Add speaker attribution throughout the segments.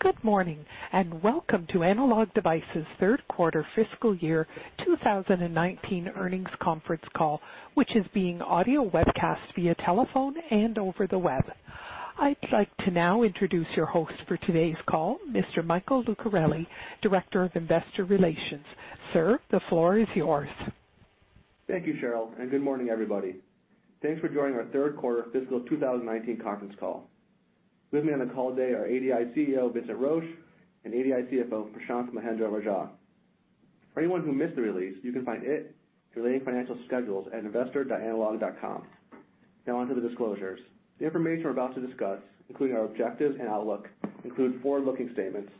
Speaker 1: Good morning. Welcome to Analog Devices' third quarter fiscal year 2019 earnings conference call, which is being audio webcast via telephone and over the web. I'd like to now introduce your host for today's call, Mr. Michael Lucarelli, Director of Investor Relations. Sir, the floor is yours.
Speaker 2: Thank you, Cheryl, and good morning, everybody. Thanks for joining our third quarter fiscal 2019 conference call. With me on the call today are ADI's CEO, Vincent Roche, and ADI's CFO, Prashanth Mahendra-Rajah. For anyone who missed the release, you can find it and related financial schedules at investor.analog.com. Now on to the disclosures. The information we're about to discuss, including our objectives and outlook, include forward-looking statements.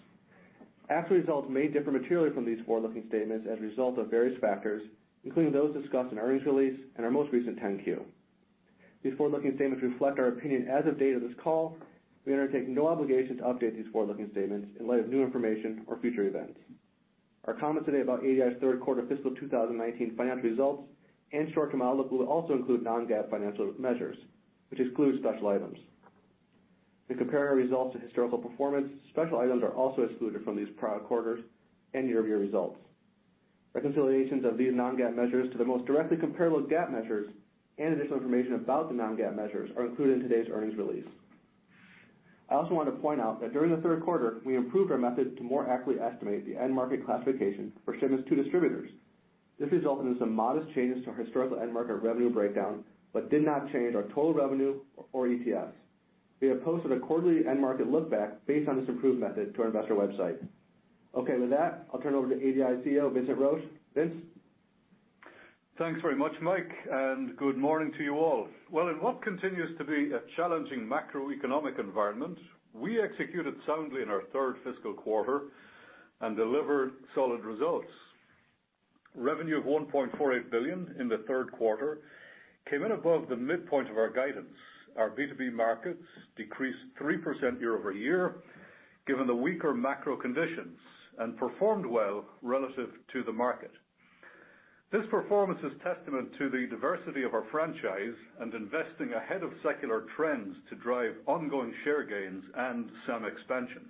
Speaker 2: Actual results may differ materially from these forward-looking statements as a result of various factors, including those discussed in our earnings release and our most recent 10-Q. These forward-looking statements reflect our opinion as of the date of this call. We undertake no obligation to update these forward-looking statements in light of new information or future events. Our comments today about ADI's third quarter fiscal 2019 financial results and certain outlook will also include non-GAAP financial measures, which exclude special items. To compare our results to historical performance, special items are also excluded from these prior quarters and year-over-year results. Reconciliations of these non-GAAP measures to the most directly comparable GAAP measures and additional information about the non-GAAP measures are included in today's earnings release. I also want to point out that during the third quarter, we improved our method to more accurately estimate the end-market classification for shipments to distributors. This resulted in some modest changes to our historical end-market revenue breakdown did not change our total revenue or EPS. We have posted a quarterly end-market look back based on this improved method to our investor website. Okay. With that, I'll turn it over to ADI's CEO, Vincent Roche. Vince?
Speaker 3: Thanks very much, Mike, and good morning to you all. Well, in what continues to be a challenging macroeconomic environment, we executed soundly in our third fiscal quarter and delivered solid results. Revenue of $1.48 billion in the third quarter came in above the midpoint of our guidance. Our B2B markets decreased 3% year-over-year, given the weaker macro conditions, and performed well relative to the market. This performance is testament to the diversity of our franchise and investing ahead of secular trends to drive ongoing share gains and some expansion.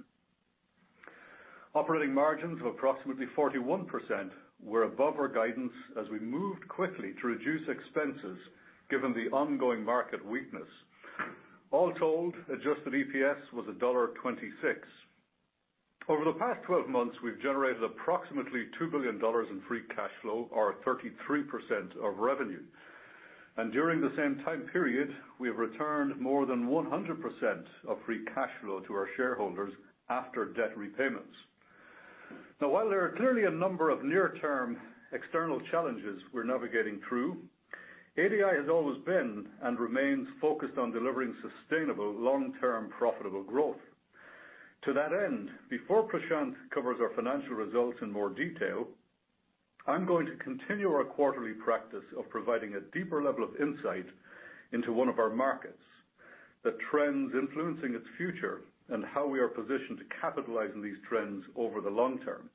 Speaker 3: Operating margins of approximately 41% were above our guidance as we moved quickly to reduce expenses, given the ongoing market weakness. All told, adjusted EPS was $1.26. Over the past 12 months, we've generated approximately $2 billion in free cash flow or 33% of revenue. During the same time period, we have returned more than 100% of free cash flow to our shareholders after debt repayments. While there are clearly a number of near-term external challenges we're navigating through, ADI has always been, and remains focused on delivering sustainable long-term profitable growth. To that end, before Prashanth covers our financial results in more detail, I'm going to continue our quarterly practice of providing a deeper level of insight into one of our markets, the trends influencing its future, and how we are positioned to capitalize on these trends over the long term.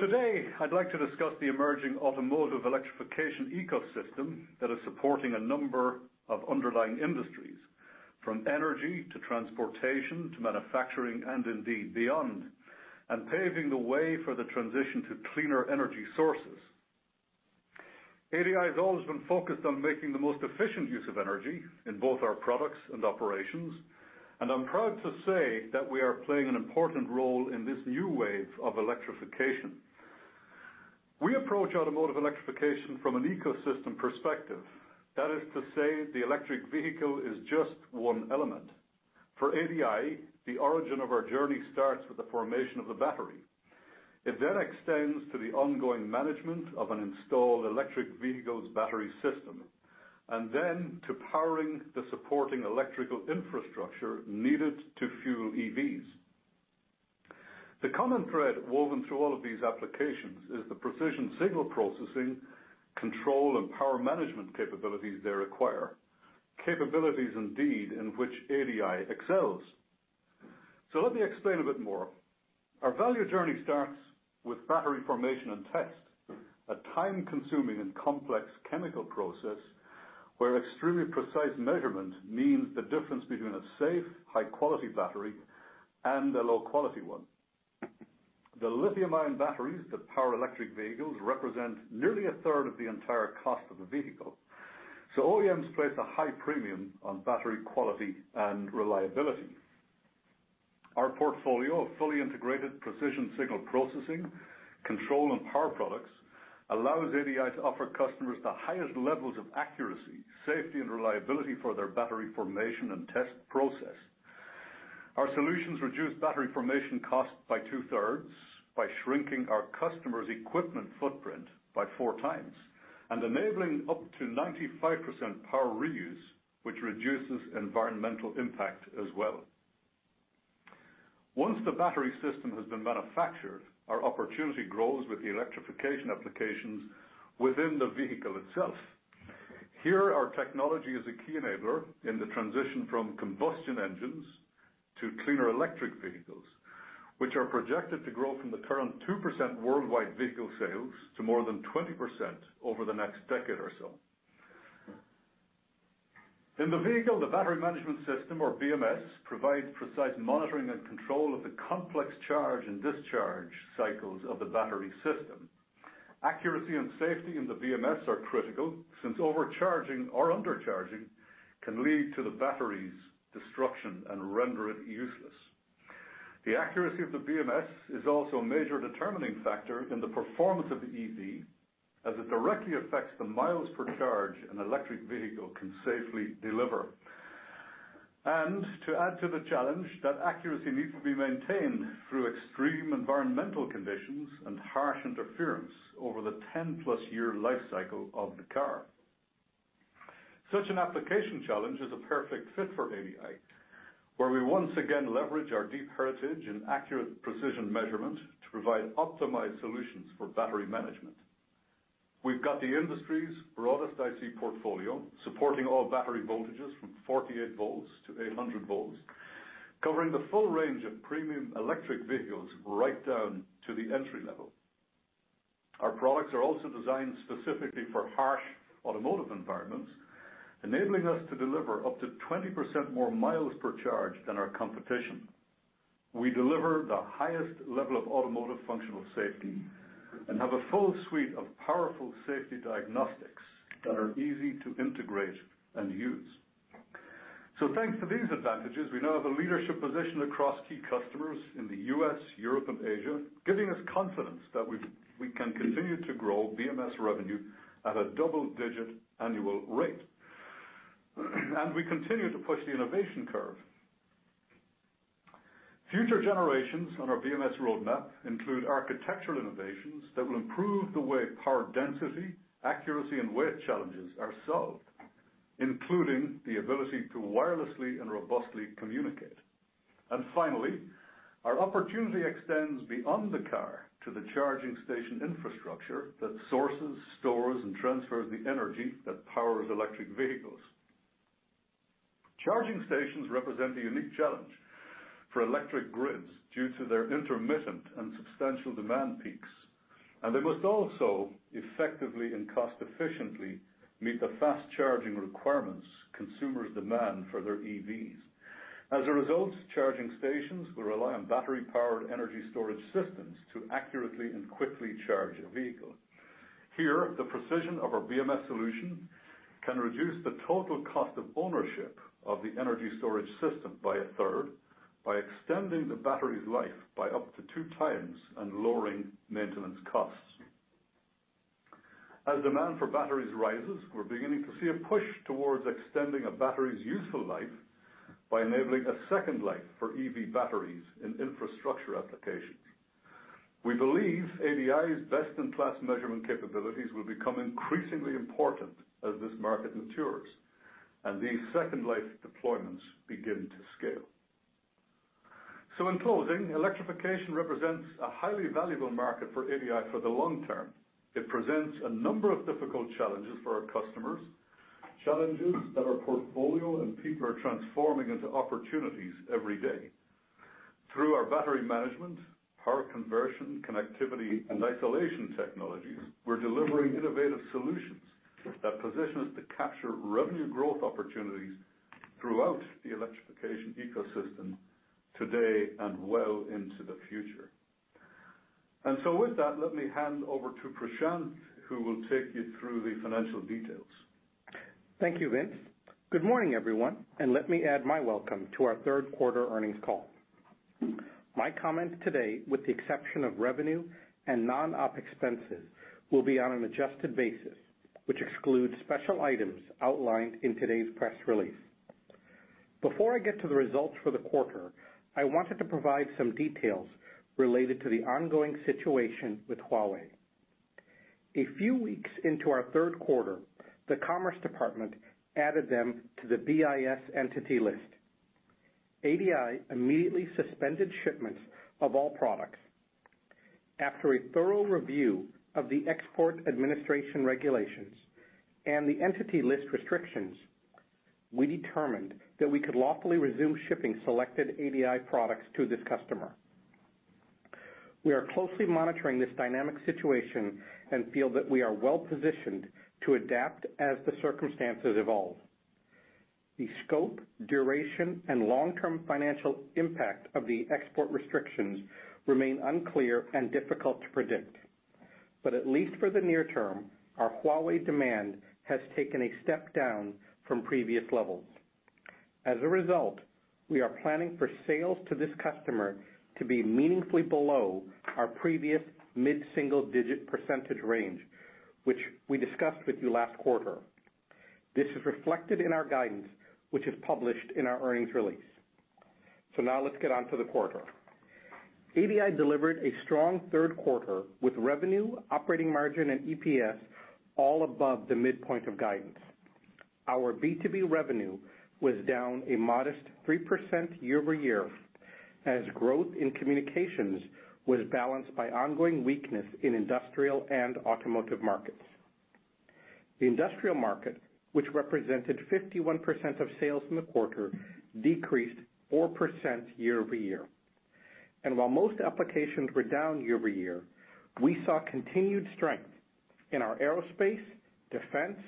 Speaker 3: Today, I'd like to discuss the emerging automotive electrification ecosystem that is supporting a number of underlying industries, from energy to transportation to manufacturing and indeed beyond, and paving the way for the transition to cleaner energy sources. ADI has always been focused on making the most efficient use of energy in both our products and operations. I'm proud to say that we are playing an important role in this new wave of electrification. We approach automotive electrification from an ecosystem perspective. That is to say, the electric vehicle is just one element. For ADI, the origin of our journey starts with the formation of the battery. It extends to the ongoing management of an installed electric vehicle's battery system, to powering the supporting electrical infrastructure needed to fuel EVs. The common thread woven through all of these applications is the precision signal processing, control, and power management capabilities they require. Capabilities, indeed, in which ADI excels. Let me explain a bit more. Our value journey starts with battery formation and test, a time-consuming and complex chemical process where extremely precise measurement means the difference between a safe, high-quality battery and a low-quality one. The lithium-ion batteries that power electric vehicles represent nearly a third of the entire cost of the vehicle. OEMs place a high premium on battery quality and reliability. Our portfolio of fully integrated precision signal processing, control, and power products allows ADI to offer customers the highest levels of accuracy, safety, and reliability for their battery formation and test process. Our solutions reduce battery formation costs by two-thirds by shrinking our customers' equipment footprint by four times and enabling up to 95% power reuse, which reduces environmental impact as well. Once the battery system has been manufactured, our opportunity grows with the electrification applications within the vehicle itself. Here, our technology is a key enabler in the transition from combustion engines to cleaner electric vehicles, which are projected to grow from the current 2% worldwide vehicle sales to more than 20% over the next decade or so. In the vehicle, the Battery Management System, or BMS, provides precise monitoring and control of the complex charge and discharge cycles of the battery system. Accuracy and safety in the BMS are critical, since overcharging or undercharging can lead to the battery's destruction and render it useless. The accuracy of the BMS is also a major determining factor in the performance of the EV, as it directly affects the miles per charge an electric vehicle can safely deliver. To add to the challenge, that accuracy needs to be maintained through extreme environmental conditions and harsh interference over the 10-plus year life cycle of the car. Such an application challenge is a perfect fit for ADI, where we once again leverage our deep heritage in accurate precision measurement to provide optimized solutions for battery management. We've got the industry's broadest IC portfolio, supporting all battery voltages from 48 volts to 800 volts, covering the full range of premium electric vehicles right down to the entry level. Our products are also designed specifically for harsh automotive environments, enabling us to deliver up to 20% more miles per charge than our competition. We deliver the highest level of automotive functional safety and have a full suite of powerful safety diagnostics that are easy to integrate and use. Thanks to these advantages, we now have a leadership position across key customers in the U.S., Europe, and Asia, giving us confidence that we can continue to grow BMS revenue at a double-digit annual rate. We continue to push the innovation curve. Future generations on our BMS roadmap include architectural innovations that will improve the way power density, accuracy, and weight challenges are solved, including the ability to wirelessly and robustly communicate. Finally, our opportunity extends beyond the car to the charging station infrastructure that sources, stores, and transfers the energy that powers electric vehicles. Charging stations represent a unique challenge for electric grids due to their intermittent and substantial demand peaks, and they must also effectively and cost-efficiently meet the fast-charging requirements consumers demand for their EVs. As a result, charging stations will rely on battery-powered energy storage systems to accurately and quickly charge a vehicle. Here, the precision of our BMS solution can reduce the total cost of ownership of the energy storage system by a third, by extending the battery's life by up to two times, and lowering maintenance costs. As demand for batteries rises, we're beginning to see a push towards extending a battery's useful life by enabling a second life for EV batteries in infrastructure applications. We believe ADI's best-in-class measurement capabilities will become increasingly important as this market matures and these second-life deployments begin to scale. In closing, electrification represents a highly valuable market for ADI for the long term. It presents a number of difficult challenges for our customers, challenges that our portfolio and people are transforming into opportunities every day. Through our battery management, power conversion, connectivity, and isolation technologies, we're delivering innovative solutions that position us to capture revenue growth opportunities throughout the electrification ecosystem today and well into the future. With that, let me hand over to Prashanth, who will take you through the financial details.
Speaker 4: Thank you, Vince. Good morning, everyone, and let me add my welcome to our third quarter earnings call. My comments today, with the exception of revenue and non-op expenses, will be on an adjusted basis, which excludes special items outlined in today's press release. Before I get to the results for the quarter, I wanted to provide some details related to the ongoing situation with Huawei. A few weeks into our third quarter, the Commerce Department added them to the BIS entity list. ADI immediately suspended shipments of all products. After a thorough review of the Export Administration Regulations and the entity list restrictions, we determined that we could lawfully resume shipping selected ADI products to this customer. We are closely monitoring this dynamic situation and feel that we are well-positioned to adapt as the circumstances evolve. The scope, duration, and long-term financial impact of the export restrictions remain unclear and difficult to predict. At least for the near term, our Huawei demand has taken a step down from previous levels. As a result, we are planning for sales to this customer to be meaningfully below our previous mid-single-digit % range, which we discussed with you last quarter. This is reflected in our guidance, which is published in our earnings release. Now let's get on to the quarter. ADI delivered a strong third quarter with revenue, operating margin, and EPS all above the midpoint of guidance. Our B2B revenue was down a modest 3% year-over-year as growth in communications was balanced by ongoing weakness in industrial and automotive markets. The industrial market, which represented 51% of sales in the quarter, decreased 4% year-over-year. While most applications were down year-over-year, we saw continued strength in our aerospace, defense,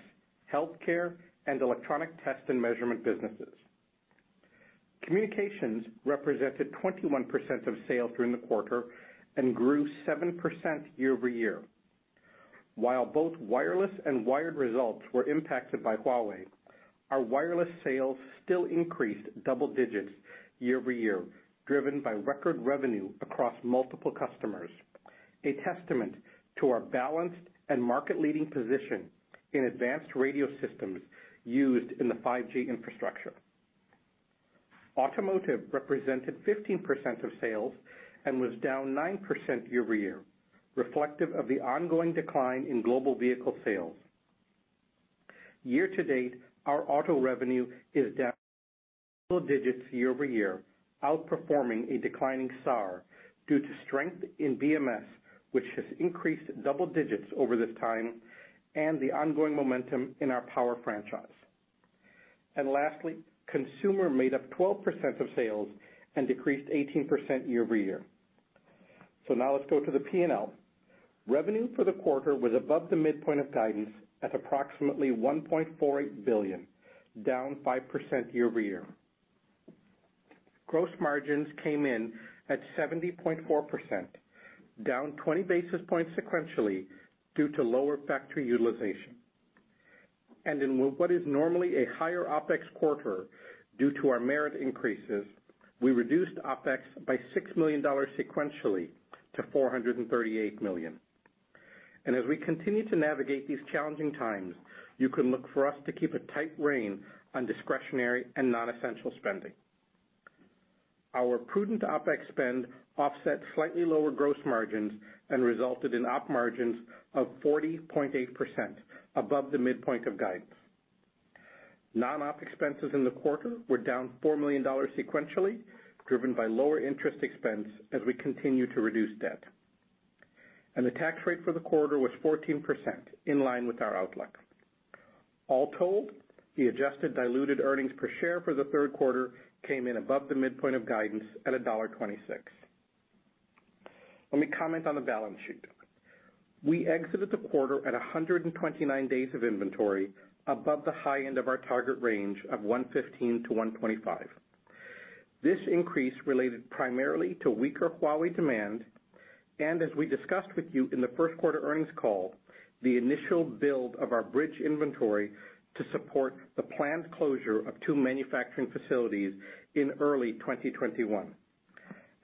Speaker 4: healthcare, and electronic test and measurement businesses. Communications represented 21% of sales during the quarter and grew 7% year-over-year. While both wireless and wired results were impacted by Huawei, our wireless sales still increased double digits year-over-year, driven by record revenue across multiple customers, a testament to our balanced and market-leading position in advanced radio systems used in the 5G infrastructure. Automotive represented 15% of sales and was down 9% year-over-year, reflective of the ongoing decline in global vehicle sales. Year-to-date, our auto revenue is down double digits year-over-year, outperforming a declining SAR due to strength in BMS, which has increased double digits over this time, and the ongoing momentum in our power franchise. Lastly, consumer made up 12% of sales and decreased 18% year-over-year. Now let's go to the P&L. Revenue for the quarter was above the midpoint of guidance at approximately $1.48 billion, down 5% year-over-year. Gross margins came in at 70.4%, down 20 basis points sequentially due to lower factory utilization. In what is normally a higher OpEx quarter due to our merit increases, we reduced OpEx by $6 million sequentially to $438 million. As we continue to navigate these challenging times, you can look for us to keep a tight rein on discretionary and non-essential spending. Our prudent OpEx spend offset slightly lower gross margins and resulted in op margins of 40.8%, above the midpoint of guidance. Non-op expenses in the quarter were down $4 million sequentially, driven by lower interest expense as we continue to reduce debt. The tax rate for the quarter was 14%, in line with our outlook. All told, the adjusted diluted earnings per share for the third quarter came in above the midpoint of guidance at $1.26. Let me comment on the balance sheet. We exited the quarter at 129 days of inventory, above the high end of our target range of 115-125. This increase related primarily to weaker Huawei demand, and as we discussed with you in the first quarter earnings call, the initial build of our bridge inventory to support the planned closure of two manufacturing facilities in early 2021.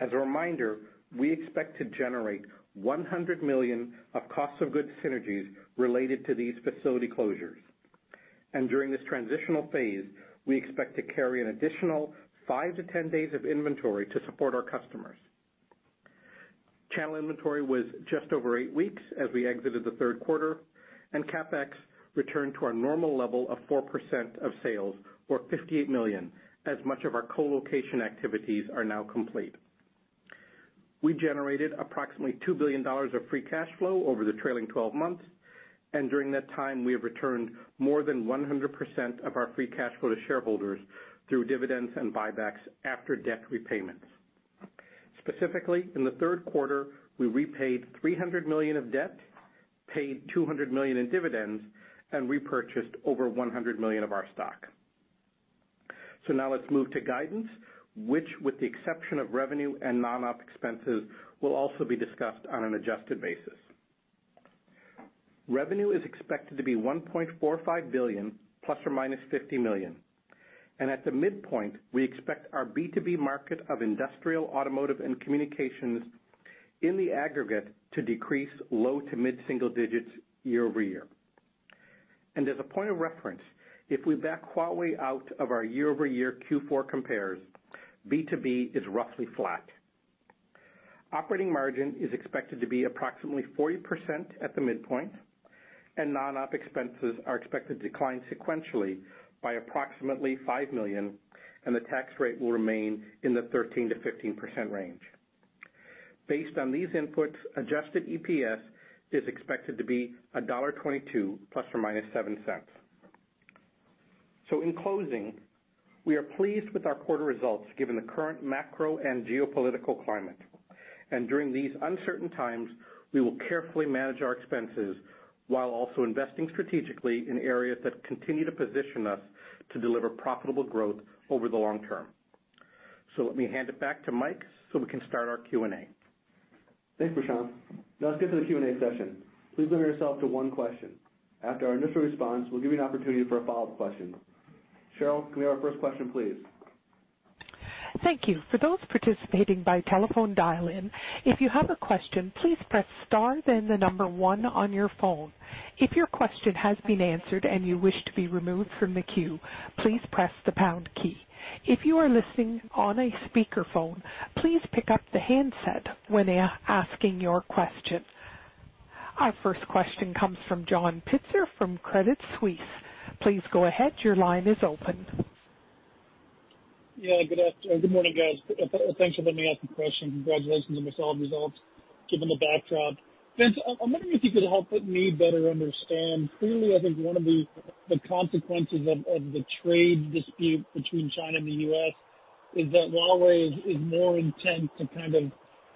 Speaker 4: As a reminder, we expect to generate $100 million of cost of goods synergies related to these facility closures. During this transitional phase, we expect to carry an additional 5-10 days of inventory to support our customers. Channel inventory was just over eight weeks as we exited the third quarter, and CapEx returned to our normal level of 4% of sales, or $58 million, as much of our co-location activities are now complete. We generated approximately $2 billion of free cash flow over the trailing 12 months, and during that time, we have returned more than 100% of our free cash flow to shareholders through dividends and buybacks after debt repayments. Specifically, in the third quarter, we repaid $300 million of debt, paid $200 million in dividends, and repurchased over $100 million of our stock. Now let's move to guidance, which with the exception of revenue and non-op expenses, will also be discussed on an adjusted basis. Revenue is expected to be $1.45 billion ±$50 million. At the midpoint, we expect our B2B market of industrial, automotive, and communications in the aggregate to decrease low to mid-single digits year-over-year. As a point of reference, if we back Huawei out of our year-over-year Q4 compares, B2B is roughly flat. Operating margin is expected to be approximately 40% at the midpoint, and non-op expenses are expected to decline sequentially by approximately $5 million, and the tax rate will remain in the 13%-15% range. Based on these inputs, adjusted EPS is expected to be $1.22 ±$0.07. In closing, we are pleased with our quarter results given the current macro and geopolitical climate. During these uncertain times, we will carefully manage our expenses while also investing strategically in areas that continue to position us to deliver profitable growth over the long term. Let me hand it back to Mike so we can start our Q&A.
Speaker 2: Thanks, Prashanth. Let's get to the Q&A session. Please limit yourself to one question. After our initial response, we'll give you an opportunity for a follow-up question. Cheryl, can we have our first question, please?
Speaker 1: Thank you. For those participating by telephone dial-in, if you have a question, please press star then the number 1 on your phone. If your question has been answered and you wish to be removed from the queue, please press the pound key. If you are listening on a speakerphone, please pick up the handset when asking your question. Our first question comes from John Pitzer from Credit Suisse. Please go ahead. Your line is open.
Speaker 5: Yeah. Good morning, guys. Thanks for letting me ask the question. Congratulations on the solid results. Given the background, Vince, I'm wondering if you could help me better understand. Clearly, I think one of the consequences of the trade dispute between China and the U.S. is that Huawei is more intent to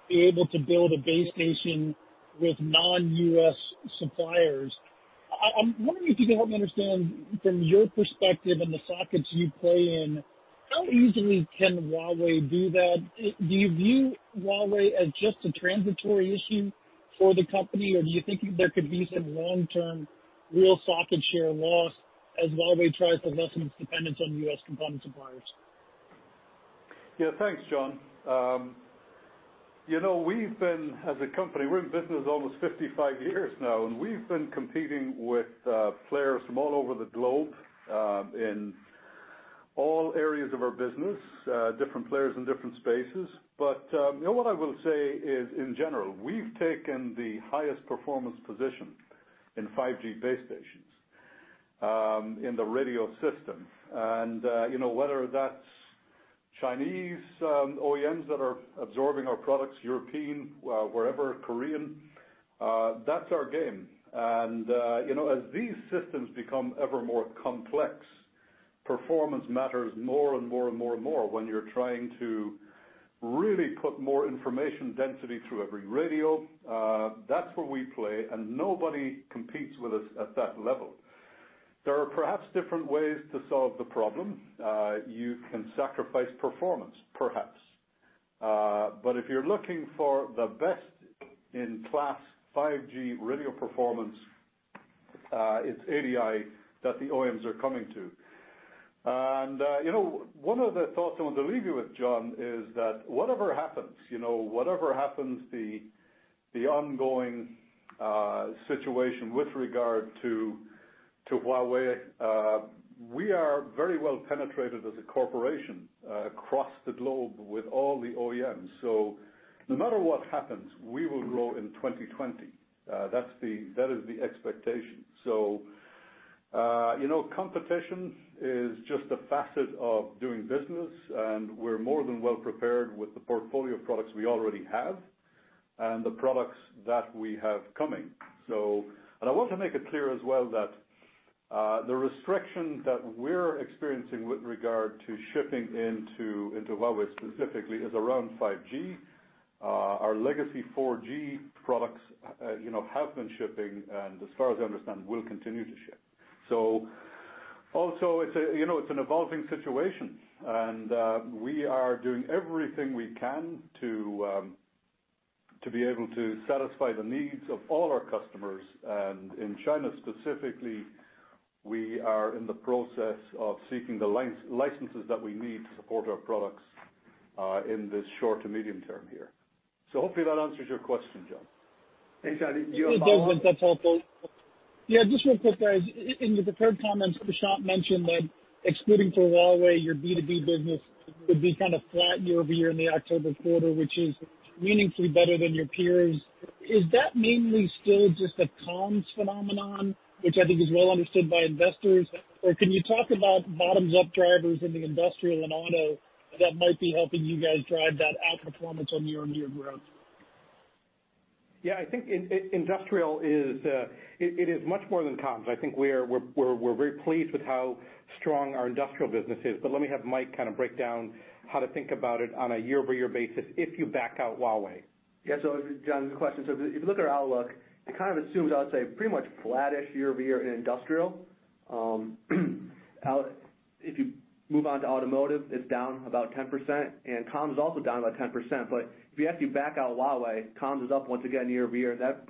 Speaker 5: be able to build a base station with non-U.S. suppliers. I'm wondering if you could help me understand from your perspective and the sockets you play in, how easily can Huawei do that? Do you view Huawei as just a transitory issue for the company? Do you think there could be some long-term real socket share loss as Huawei tries to lessen its dependence on U.S. component suppliers?
Speaker 3: Yeah. Thanks, John. We've been, as a company, we're in business almost 55 years now. We've been competing with players from all over the globe, in all areas of our business, different players in different spaces. What I will say is, in general, we've taken the highest performance position in 5G base stations, in the radio system. Whether that's Chinese OEMs that are absorbing our products, European, wherever, Korean, that's our game. As these systems become ever more complex, performance matters more and more and more and more when you're trying to really put more information density through every radio. That's where we play, and nobody competes with us at that level. There are perhaps different ways to solve the problem. You can sacrifice performance, perhaps. If you're looking for the best in class 5G radio performance, it's ADI that the OEMs are coming to. One of the thoughts I want to leave you with, John, is that whatever happens the ongoing situation with regard to Huawei, we are very well penetrated as a corporation across the globe with all the OEMs. No matter what happens, we will grow in 2020. That is the expectation. Competition is just a facet of doing business, and we're more than well prepared with the portfolio of products we already have and the products that we have coming. I want to make it clear as well that the restriction that we're experiencing with regard to shipping into Huawei specifically is around 5G. Our legacy 4G products have been shipping and as far as I understand, will continue to ship. It's an evolving situation, and we are doing everything we can to be able to satisfy the needs of all our customers. In China specifically, we are in the process of seeking the licenses that we need to support our products, in this short to medium term here. Hopefully that answers your question, John.
Speaker 5: Thanks, ADI. Do you have a follow-up?
Speaker 6: This is Doug. Yeah, just real quick, guys. In the prepared comments, Prashanth mentioned that excluding for Huawei, your B2B business would be kind of flat year-over-year in the October quarter, which is meaningfully better than your peers. Is that mainly still just a comms phenomenon, which I think is well understood by investors? Can you talk about bottoms-up drivers in the industrial and auto that might be helping you guys drive that outperformance on year-on-year growth?
Speaker 3: Yeah, I think industrial is much more than comms. I think we're very pleased with how strong our industrial business is. Let me have Mike kind of break down how to think about it on a year-over-year basis if you back out Huawei.
Speaker 2: Yeah. John, good question. If you look at our outlook, it kind of assumes, I would say pretty much flattish year-over-year in industrial. If you move on to automotive, it's down about 10%, and comms is also down about 10%. If you actually back out Huawei, comms is up once again year-over-year. That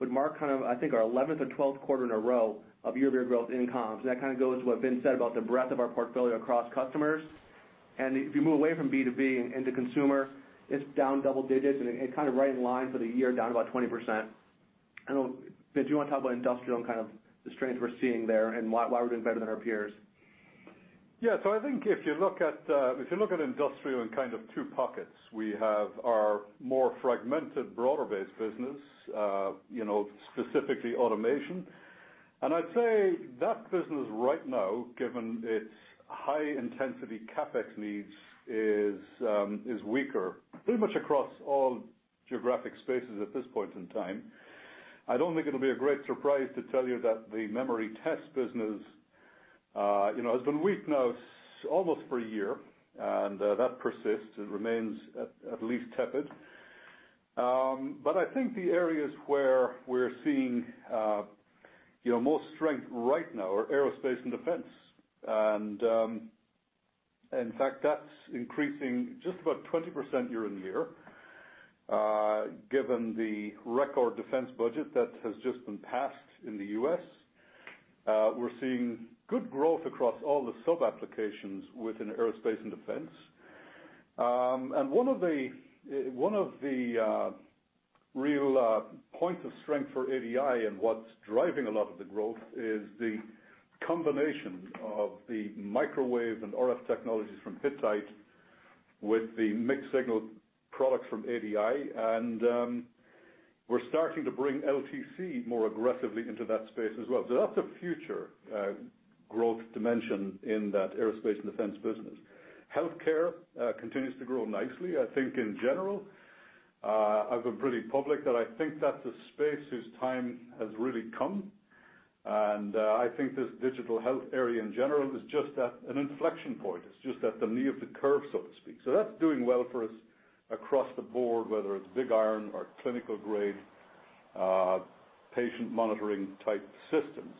Speaker 2: would mark kind of, I think, our 11th or 12th quarter in a row of year-over-year growth in comms. That kind of goes to what Vince said about the breadth of our portfolio across customers. If you move away from B2B into consumer, it's down double digits and kind of right in line for the year, down about 20%. I know, Vince, you want to talk about industrial and kind of the strength we're seeing there and why we're doing better than our peers.
Speaker 3: Yeah. I think if you look at industrial in kind of 2 pockets. We have our more fragmented, broader-based business, specifically automation. I'd say that business right now, given its high-intensity CapEx needs, is weaker pretty much across all geographic spaces at this point in time. I don't think it'll be a great surprise to tell you that the memory test business has been weak now almost for a year, and that persists. It remains at least tepid. I think the areas where we're seeing most strength right now are aerospace and defense. In fact, that's increasing just about 20% year-on-year. Given the record defense budget that has just been passed in the U.S., we're seeing good growth across all the sub-applications within aerospace and defense. One of the real points of strength for ADI and what's driving a lot of the growth is the combination of the microwave and RF technologies from Hittite with the mixed signal products from ADI. We're starting to bring LTC more aggressively into that space as well. That's a future growth dimension in that aerospace and defense business. Healthcare continues to grow nicely. I think in general, I've been pretty public that I think that's a space whose time has really come, and I think this digital health area in general is just at an inflection point. It's just at the knee of the curve, so to speak. That's doing well for us across the board, whether it's big iron or clinical-grade patient monitoring type systems.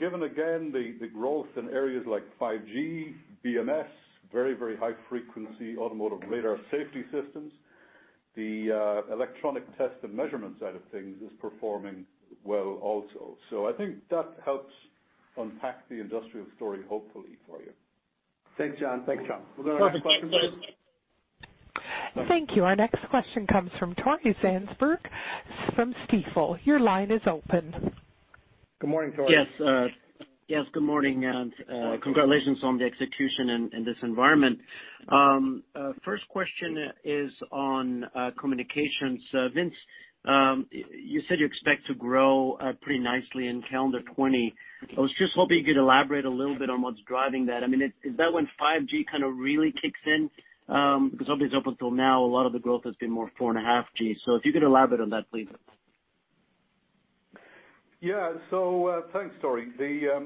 Speaker 3: Given again the growth in areas like 5G, BMS, very high-frequency automotive radar safety systems, the electronic test and measurement side of things is performing well also. I think that helps unpack the industrial story hopefully for you.
Speaker 2: Thanks, John. Thanks, John. Was there any other questions?
Speaker 1: Thank you. Our next question comes from Tore Svanberg from Stifel. Your line is open.
Speaker 4: Good morning, Tore.
Speaker 7: Yes. Good morning and congratulations on the execution in this environment. First question is on communications. Vince, you said you expect to grow pretty nicely in calendar 2020. I was just hoping you could elaborate a little bit on what's driving that. I mean, is that when 5G kind of really kicks in? Because obviously up until now, a lot of the growth has been more 4.5G. If you could elaborate on that, please.
Speaker 3: Yeah. Thanks, Tore.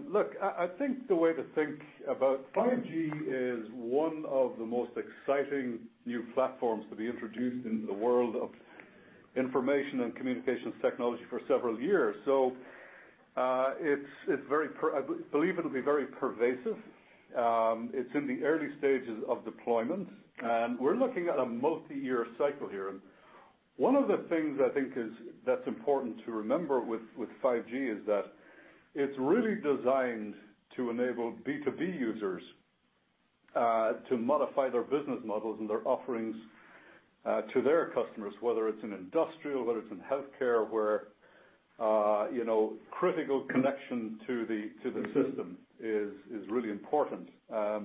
Speaker 3: Look, I think the way to think about 5G is one of the most exciting new platforms to be introduced into the world of information and communications technology for several years. I believe it'll be very pervasive. It's in the early stages of deployment, and we're looking at a multi-year cycle here. One of the things I think that's important to remember with 5G is that it's really designed to enable B2B users, to modify their business models and their offerings to their customers, whether it's in industrial, whether it's in healthcare, where critical connection to the system is really important. I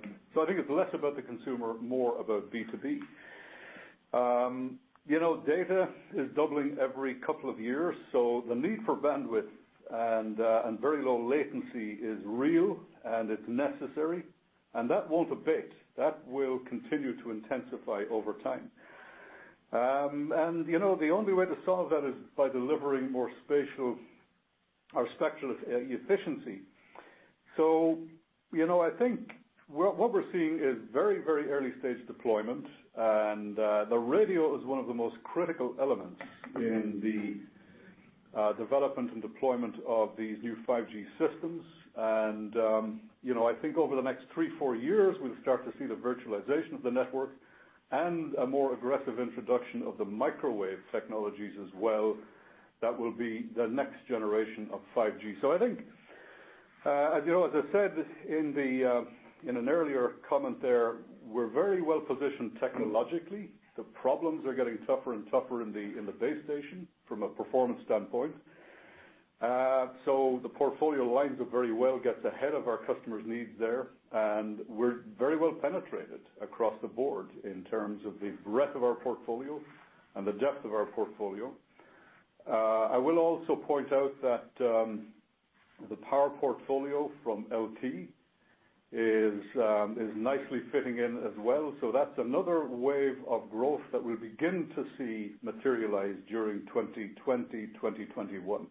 Speaker 3: think it's less about the consumer, more about B2B. Data is doubling every couple of years, the need for bandwidth and very low latency is real and it's necessary, and that won't abate. That will continue to intensify over time. The only way to solve that is by delivering more spatial or spectral efficiency. I think what we're seeing is very early-stage deployment, and the radio is one of the most critical elements in the development and deployment of these new 5G systems. I think over the next three, four years, we'll start to see the virtualization of the network and a more aggressive introduction of the microwave technologies as well. That will be the next generation of 5G. I think, as I said in an earlier comment there, we're very well-positioned technologically. The problems are getting tougher and tougher in the base station from a performance standpoint. The portfolio lines up very well, gets ahead of our customers' needs there, and we're very well penetrated across the board in terms of the breadth of our portfolio and the depth of our portfolio. I will also point out that the power portfolio from LT is nicely fitting in as well. That's another wave of growth that we'll begin to see materialize during 2020, 2021.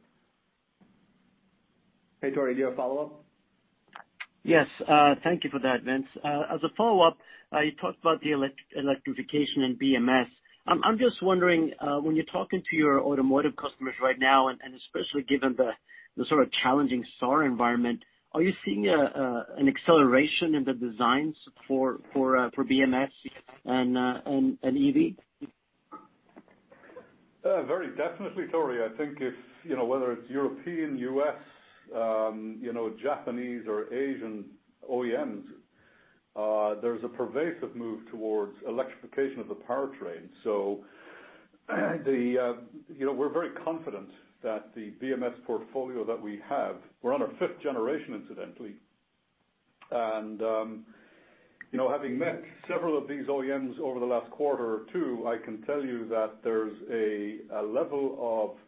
Speaker 4: Hey, Tore, you have a follow-up?
Speaker 7: Yes. Thank you for that, Vince. As a follow-up, you talked about the electrification in BMS. I'm just wondering, when you're talking to your automotive customers right now, and especially given the sort of challenging macro environment, are you seeing an acceleration in the designs for BMS and EV?
Speaker 3: Very definitely, Tore. I think whether it's European, U.S., Japanese or Asian OEMs, there's a pervasive move towards electrification of the powertrain. We're very confident that the BMS portfolio that we have, we're on our fifth generation, incidentally. Having met several of these OEMs over the last quarter or two, I can tell you that there's a level of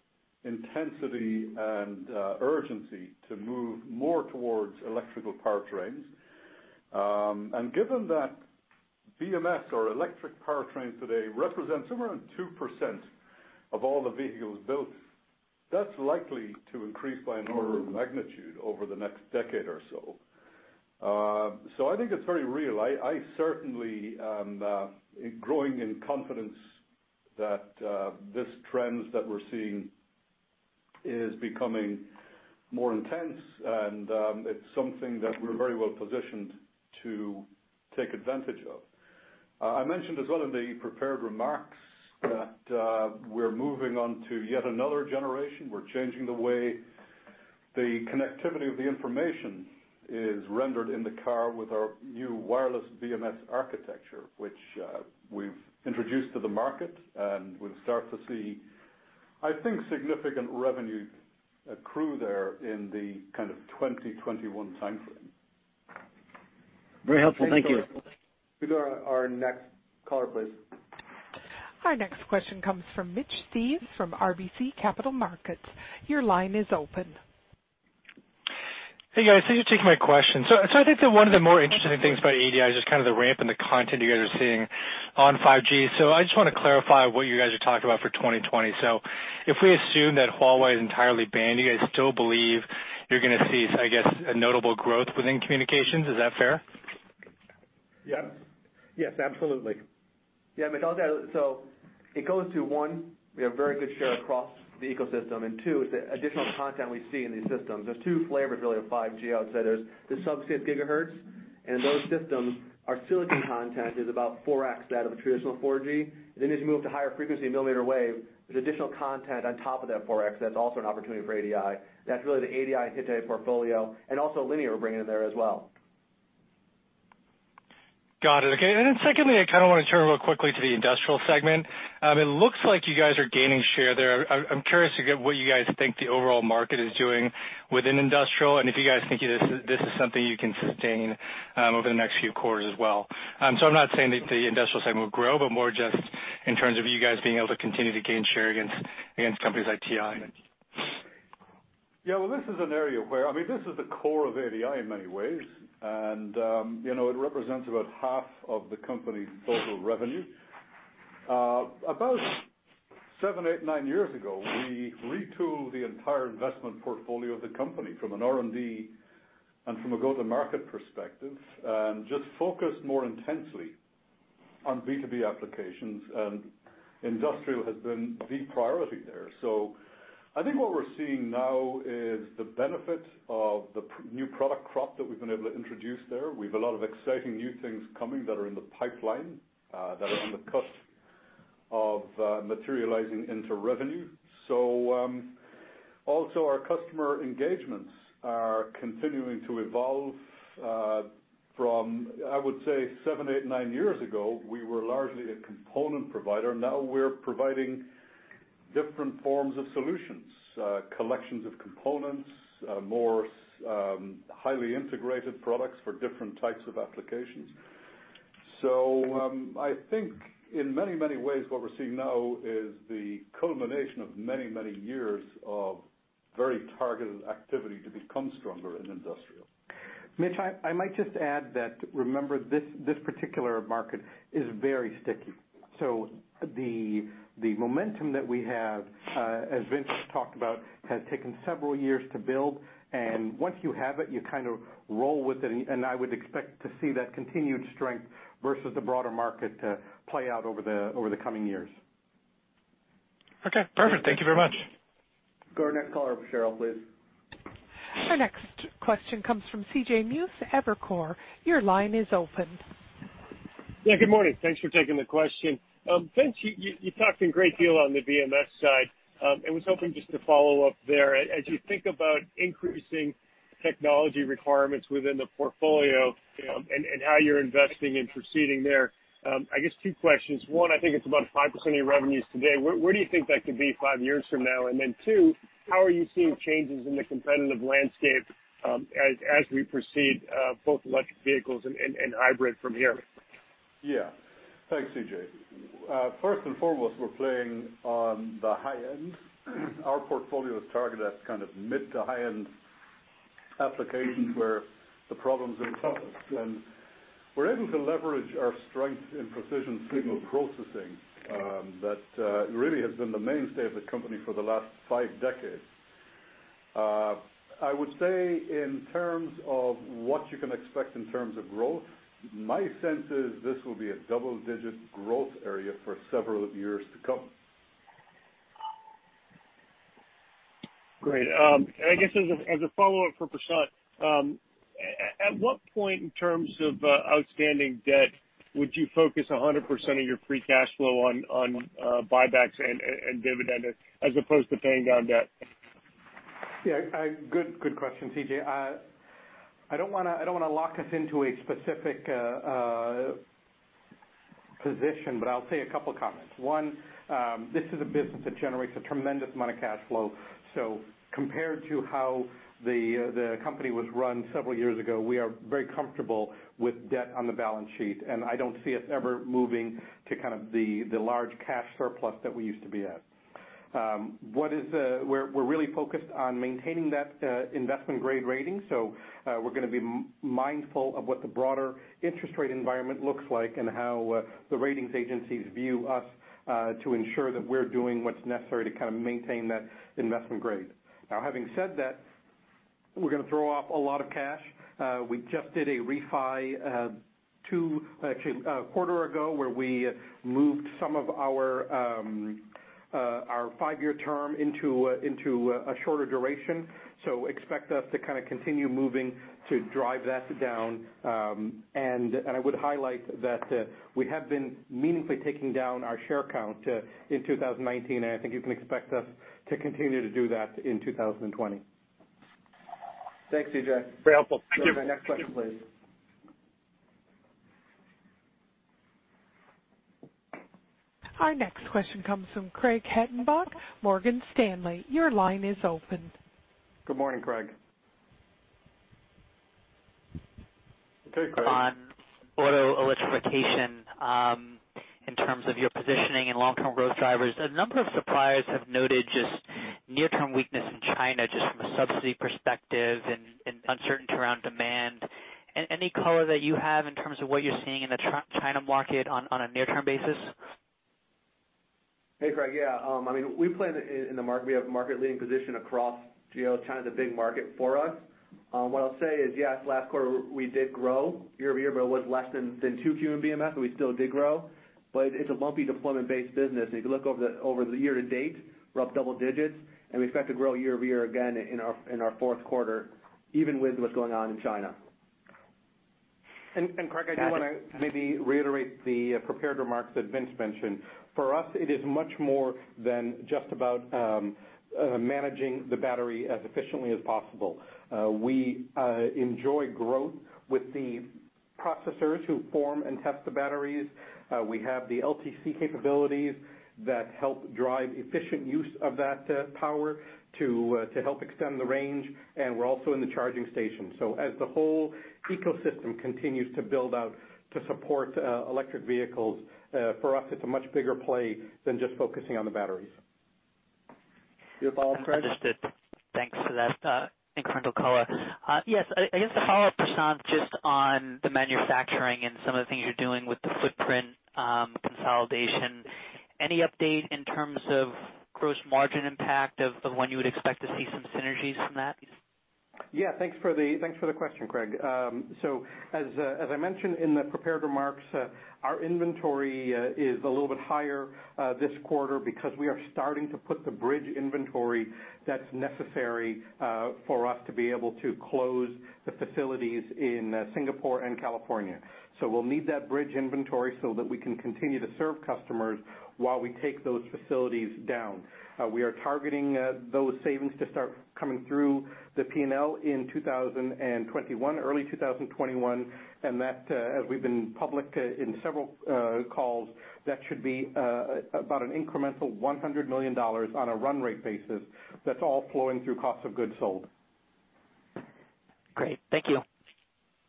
Speaker 3: intensity and urgency to move more towards electrical powertrains. Given that BMS or electric powertrains today represent somewhere around 2% of all the vehicles built, that's likely to increase by an order of magnitude over the next decade or so. I think it's very real. I certainly am growing in confidence that these trends that we're seeing are becoming more intense and it's something that we're very well positioned to take advantage of. I mentioned as well in the prepared remarks that we're moving on to yet another generation. We're changing the way the connectivity of the information is rendered in the car with our new wireless BMS architecture, which we've introduced to the market, and we'll start to see, I think, significant revenue accrue there in the kind of 2021 timeframe.
Speaker 7: Very helpful. Thank you.
Speaker 2: Can we go to our next caller, please?
Speaker 1: Our next question comes from Mitch Steves from RBC Capital Markets. Your line is open.
Speaker 8: Hey, guys. Thanks for taking my question. I think that one of the more interesting things about ADI is just kind of the ramp and the content you guys are seeing on 5G. I just want to clarify what you guys are talking about for 2020. If we assume that Huawei is entirely banned, do you guys still believe you're going to see, I guess, a notable growth within communications? Is that fair?
Speaker 2: Yep.
Speaker 3: Yes, absolutely.
Speaker 2: Yeah, Mitch, I'll tell you. It goes to one, we have very good share across the ecosystem, and two, the additional content we see in these systems. There's two flavors, really, of 5G. I would say there's the sub-6 GHz, and in those systems, our silicon content is about 4x that of a traditional 4G. As you move to higher frequency millimeter wave, there's additional content on top of that 4x that's also an opportunity for ADI. That's really the ADI Hittite portfolio, and also Linear we're bringing in there as well.
Speaker 8: Got it. Okay. Secondly, I kind of want to turn real quickly to the industrial segment. It looks like you guys are gaining share there. I'm curious to get what you guys think the overall market is doing within industrial, and if you guys think this is something you can sustain over the next few quarters as well. I'm not saying that the industrial segment will grow, but more just in terms of you guys being able to continue to gain share against companies like TI.
Speaker 3: This is an area where, this is the core of ADI in many ways, and it represents about half of the company's total revenue. About seven, eight, nine years ago, we retooled the entire investment portfolio of the company from an R&D and from a go-to-market perspective, just focused more intensely on B2B applications, industrial has been the priority there. I think what we're seeing now is the benefit of the new product crop that we've been able to introduce there. We've a lot of exciting new things coming that are in the pipeline, that are on the cusp of materializing into revenue. Also our customer engagements are continuing to evolve. From, I would say seven, eight, nine years ago, we were largely a component provider.
Speaker 4: We're providing different forms of solutions, collections of components, more highly integrated products for different types of applications. I think in many ways what we're seeing now is the culmination of many years of very targeted activity to become stronger in industrial. Mitch, I might just add that, remember, this particular market is very sticky. The momentum that we have, as Vince talked about, has taken several years to build, and once you have it, you kind of roll with it, and I would expect to see that continued strength versus the broader market play out over the coming years.
Speaker 8: Okay, perfect. Thank you very much.
Speaker 2: Go to our next caller, Cheryl, please.
Speaker 1: Our next question comes from C.J. Muse, Evercore. Your line is open.
Speaker 9: Yeah, good morning. Thanks for taking the question. Vince, you talked a great deal on the BMS side. I was hoping just to follow up there. As you think about increasing technology requirements within the portfolio, how you're investing and proceeding there, I guess two questions. One, I think it's about 5% of your revenues today. Where do you think that could be five years from now? Two, how are you seeing changes in the competitive landscape, as we proceed both electric vehicles and hybrid from here?
Speaker 3: Yeah. Thanks, C.J. First and foremost, we're playing on the high end. Our portfolio is targeted at kind of mid to high-end applications where the problems are the toughest, and we're able to leverage our strength in precision signal processing that really has been the mainstay of the company for the last five decades. I would say in terms of what you can expect in terms of growth, my sense is this will be a double-digit growth area for several years to come.
Speaker 9: Great. I guess as a follow-up for Prashanth. At what point in terms of outstanding debt would you focus 100% of your free cash flow on buybacks and dividend as opposed to paying down debt?
Speaker 4: Good question, C.J. I don't want to lock us into a specific position, I'll say a couple of comments. One, this is a business that generates a tremendous amount of cash flow. Compared to how the company was run several years ago, we are very comfortable with debt on the balance sheet, and I don't see us ever moving to the large cash surplus that we used to be at. We're really focused on maintaining that investment-grade rating. We're going to be mindful of what the broader interest rate environment looks like and how the ratings agencies view us, to ensure that we're doing what's necessary to maintain that investment grade. Having said that, we're going to throw off a lot of cash. We just did a refi a quarter ago where we moved some of our five-year term into a shorter duration. Expect us to kind of continue moving to drive that down. I would highlight that we have been meaningfully taking down our share count in 2019, and I think you can expect us to continue to do that in 2020.
Speaker 2: Thanks, C.J.
Speaker 9: Very helpful. Thank you.
Speaker 2: Next question, please.
Speaker 1: Our next question comes from Craig Hettenbach, Morgan Stanley. Your line is open.
Speaker 4: Good morning, Craig. Hey, Craig.
Speaker 10: On auto electrification, in terms of your positioning and long-term growth drivers, a number of suppliers have noted just near-term weakness in China, just from a subsidy perspective and uncertainty around demand. Any color that you have in terms of what you're seeing in the China market on a near-term basis?
Speaker 3: Hey, Craig. Yeah. We plan in the market. We have market-leading position across China, the big market for us. What I'll say is, yes, last quarter, we did grow year-over-year, but it was less than 2Q BMS, but we still did grow. It's a lumpy deployment-based business. If you look over the year-to-date, we're up double digits, and we expect to grow year-over-year again in our fourth quarter, even with what's going on in China.
Speaker 4: Craig, I do want to maybe reiterate the prepared remarks that Vince mentioned. For us, it is much more than just about managing the battery as efficiently as possible. We enjoy growth with the processors who form and test the batteries. We have the LTC capabilities that help drive efficient use of that power to help extend the range, and we're also in the charging station. As the whole ecosystem continues to build out to support electric vehicles, for us, it's a much bigger play than just focusing on the batteries.
Speaker 3: Your follow-up, Craig?
Speaker 10: Understood. Thanks for that incremental color. Yes. I guess the follow-up, Prashanth, just on the manufacturing and some of the things you're doing with the footprint consolidation. Any update in terms of gross margin impact of when you would expect to see some synergies from that?
Speaker 4: Yeah. Thanks for the question, Craig. As I mentioned in the prepared remarks, our inventory is a little bit higher this quarter because we are starting to put the bridge inventory that's necessary for us to be able to close the facilities in Singapore and California. We'll need that bridge inventory so that we can continue to serve customers while we take those facilities down. We are targeting those savings to start coming through the P&L in 2021, early 2021, and that, as we've been public in several calls, that should be about an incremental $100 million on a run rate basis. That's all flowing through cost of goods sold.
Speaker 10: Great. Thank you.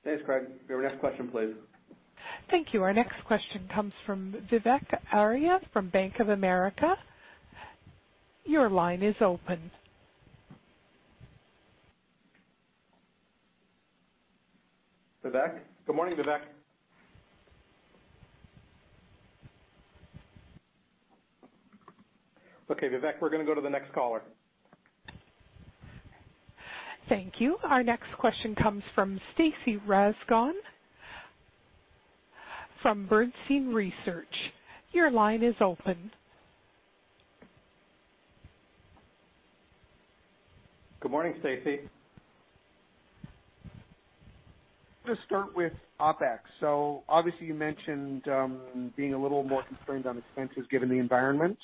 Speaker 2: Thanks, Craig. Your next question, please.
Speaker 1: Thank you. Our next question comes from Vivek Arya from Bank of America. Your line is open.
Speaker 4: Vivek? Good morning, Vivek. Okay, Vivek, we're going to go to the next caller.
Speaker 1: Thank you. Our next question comes from Stacy Rasgon from Bernstein Research. Your line is open.
Speaker 4: Good morning, Stacy.
Speaker 11: I'm going to start with OpEx. Obviously you mentioned being a little more constrained on expenses given the environment.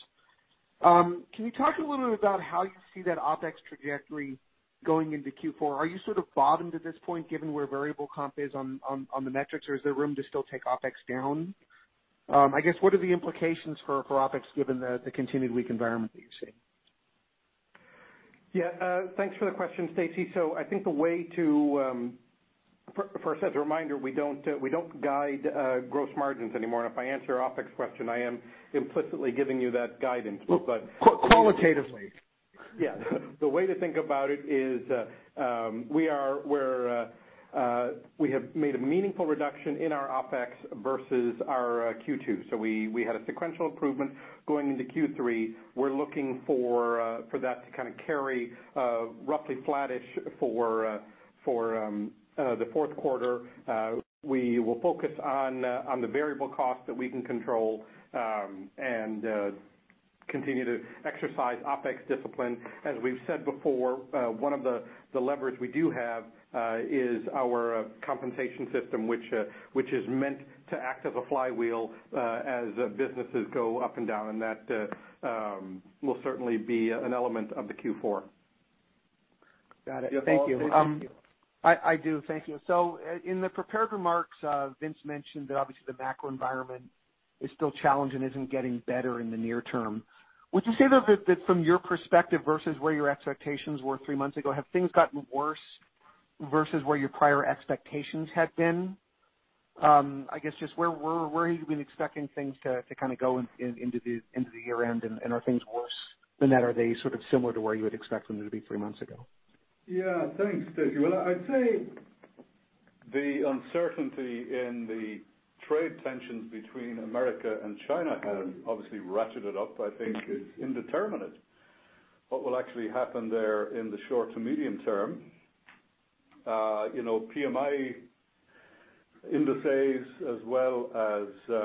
Speaker 11: Can you talk a little bit about how you see that OpEx trajectory going into Q4? Are you sort of bottomed at this point, given where variable comp is on the metrics, or is there room to still take OpEx down? I guess, what are the implications for OpEx given the continued weak environment that you're seeing?
Speaker 4: Yeah. Thanks for the question, Stacy. First, as a reminder, we don't guide gross margins anymore, and if I answer your OpEx question, I am implicitly giving you that guidance.
Speaker 11: Qualitatively.
Speaker 4: Yeah. The way to think about it is we have made a meaningful reduction in our OpEx versus our Q2. We had a sequential improvement going into Q3. We're looking for that to kind of carry roughly flattish for the fourth quarter. We will focus on the variable cost that we can control, and continue to exercise OpEx discipline. As we've said before, one of the levers we do have is our compensation system, which is meant to act as a flywheel as businesses go up and down, and that will certainly be an element of the Q4.
Speaker 11: Got it. Thank you.
Speaker 4: Your follow-up, Stacy?
Speaker 11: I do. Thank you. In the prepared remarks, Vince mentioned that obviously the macro environment is still challenging and isn't getting better in the near term. Would you say, though, that from your perspective versus where your expectations were three months ago, have things gotten worse versus where your prior expectations had been? I guess just where are you expecting things to kind of go into the year-end, and are things worse than that? Are they sort of similar to where you would expect them to be three months ago?
Speaker 3: Yeah. Thanks, Stacy. Well, I'd say the uncertainty in the trade tensions between America and China have obviously ratcheted up. I think it's indeterminate what will actually happen there in the short to medium term. PMI indices as well as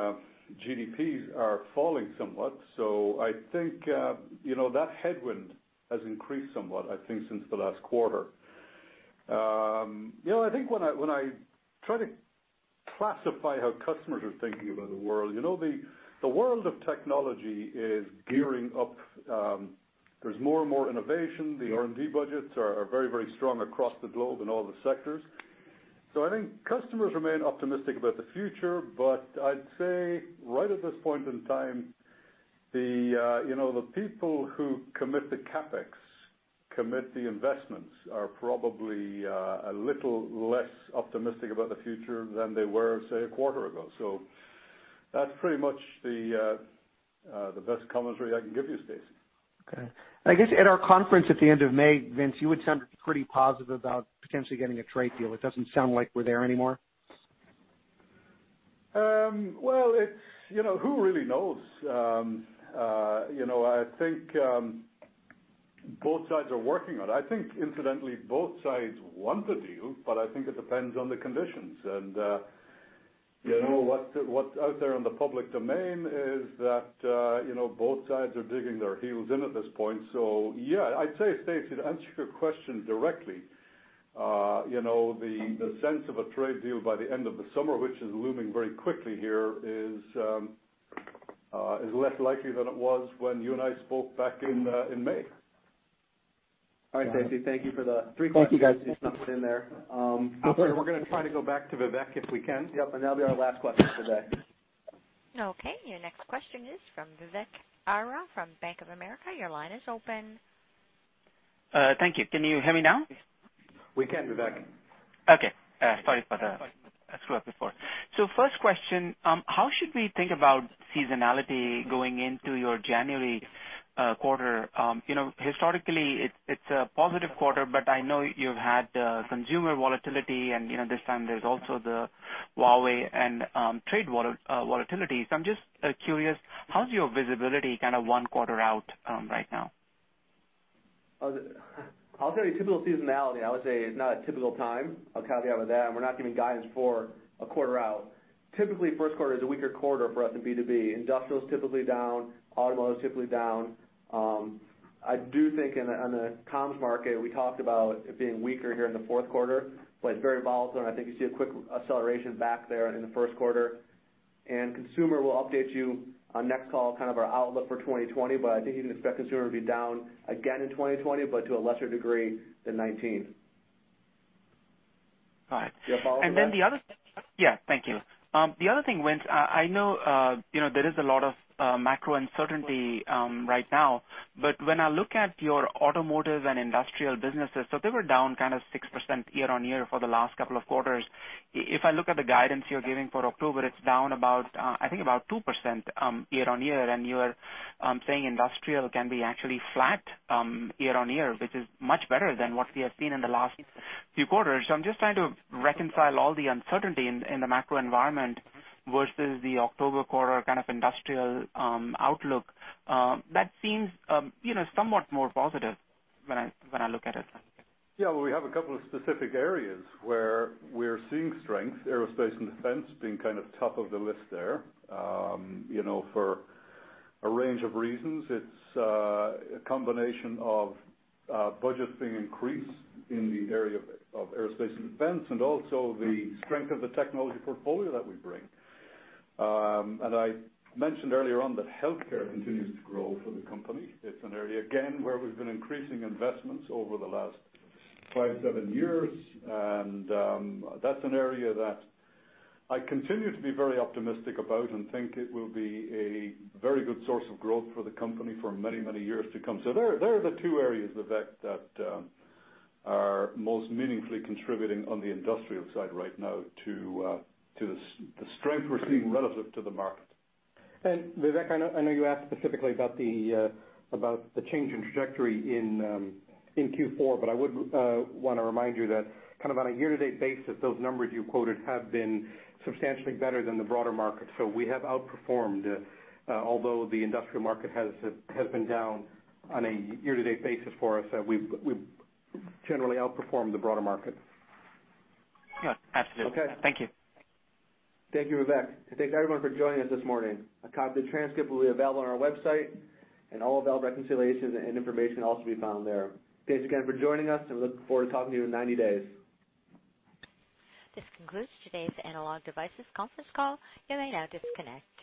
Speaker 3: GDP are falling somewhat. I think that headwind has increased somewhat, I think, since the last quarter. I think when I try to classify how customers are thinking about the world, the world of technology is gearing up. There's more and more innovation. The R&D budgets are very strong across the globe in all the sectors. I think customers remain optimistic about the future, but I'd say right at this point in time, the people who commit the CapEx, commit the investments, are probably a little less optimistic about the future than they were, say, a quarter ago. That's pretty much the best commentary I can give you, Stacy.
Speaker 11: Okay. I guess at our conference at the end of May, Vince, you had sounded pretty positive about potentially getting a trade deal. It doesn't sound like we're there anymore.
Speaker 3: Well, who really knows? I think both sides are working on it. I think incidentally, both sides want the deal. I think it depends on the conditions. What's out there in the public domain is that both sides are digging their heels in at this point. Yeah, I'd say, Stacy, to answer your question directly, the sense of a trade deal by the end of the summer, which is looming very quickly here, is less likely than it was when you and I spoke back in May.
Speaker 4: All right, Stacy, thank you for the three questions.
Speaker 11: Thank you, guys.
Speaker 4: you snuck in there.
Speaker 2: No worry. We're going to try to go back to Vivek if we can. Yep, that'll be our last question for the day.
Speaker 1: Okay, your next question is from Vivek Arya from Bank of America. Your line is open.
Speaker 12: Thank you. Can you hear me now?
Speaker 3: We can, Vivek.
Speaker 12: Okay. Sorry about that. That's what happened before. First question, how should we think about seasonality going into your January quarter? Historically, it's a positive quarter, but I know you've had consumer volatility and this time there's also the Huawei and trade volatility. I'm just curious, how is your visibility one quarter out right now?
Speaker 4: I'll tell you typical seasonality, I would say it's not a typical time. I'll caveat with that, and we're not giving guidance for a quarter out. Typically, first quarter is a weaker quarter for us in B2B. Industrial's typically down, automotive's typically down. I do think in the comms market, we talked about it being weaker here in the fourth quarter, but very volatile, and I think you see a quick acceleration back there in the first quarter. Consumer, we'll update you on next call our outlook for 2020, but I think you can expect consumer to be down again in 2020, but to a lesser degree than 2019.
Speaker 12: All right.
Speaker 4: You have a follow up, Vivek?
Speaker 12: Yeah, thank you. The other thing, Vince, I know there is a lot of macro uncertainty right now, when I look at your automotive and industrial businesses, they were down 6% year-on-year for the last couple of quarters. If I look at the guidance you're giving for October, it's down about 2% year-on-year, you're saying industrial can be actually flat year-on-year, which is much better than what we have seen in the last few quarters. I'm just trying to reconcile all the uncertainty in the macro environment versus the October quarter industrial outlook that seems somewhat more positive when I look at it.
Speaker 3: Well, we have a couple of specific areas where we're seeing strength, aerospace and defense being top of the list there, for a range of reasons. It's a combination of budgets being increased in the area of aerospace and defense, and also the strength of the technology portfolio that we bring. I mentioned earlier on that healthcare continues to grow for the company. It's an area, again, where we've been increasing investments over the last 5-7 years, and that's an area that I continue to be very optimistic about and think it will be a very good source of growth for the company for many, many years to come. There are the two areas, Vivek, that are most meaningfully contributing on the industrial side right now to the strength we're seeing relative to the market.
Speaker 4: Vivek, I know you asked specifically about the change in trajectory in Q4, but I would want to remind you that on a year-to-date basis, those numbers you quoted have been substantially better than the broader market. We have outperformed. Although the industrial market has been down on a year-to-date basis for us, we've generally outperformed the broader market.
Speaker 12: Yeah, absolutely.
Speaker 4: Okay.
Speaker 12: Thank you.
Speaker 2: Thank you, Vivek. Thank you everyone for joining us this morning. A copy of the transcript will be available on our website, all available reconciliations and information can also be found there. Thanks again for joining us, we look forward to talking to you in 90 days.
Speaker 1: This concludes today's Analog Devices conference call. You may now disconnect.